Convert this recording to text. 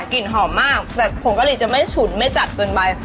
กลิ่นหอมมากแบบผงกะหรี่จะไม่ฉุนไม่จัดเกินไป